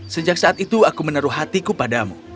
sejak saat itu aku menaruh hatiku padamu